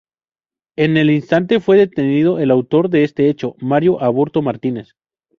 En el instante fue detenido el autor de este hecho, Mario Aburto Martínez.